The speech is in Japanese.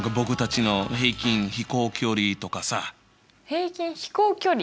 平均飛行距離？